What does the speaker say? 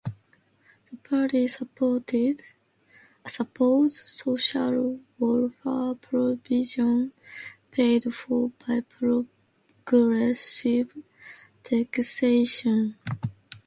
The party supports social welfare provision paid for by progressive taxation.